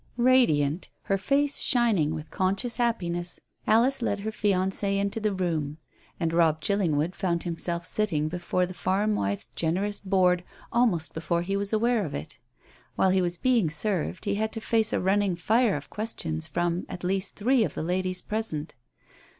Radiant, her face shining with conscious happiness, Alice led her fiancé into the room. And Robb Chillingwood found himself sitting before the farm wife's generous board almost before he was aware of it. While he was being served he had to face a running fire of questions from, at least, three of the ladies present.